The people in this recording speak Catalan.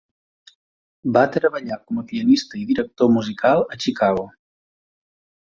Va treballar com a pianista i director musical a Chicago.